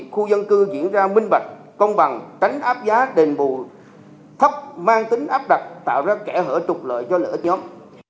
khu dân cư diễn ra minh bạch công bằng tránh áp giá đền bù thấp mang tính áp đặt tạo ra kẻ hở trục lợi cho lợi ích nhóm